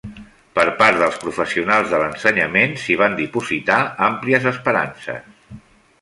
Per part dels professionals de l’ensenyament s’hi van dipositar àmplies esperances.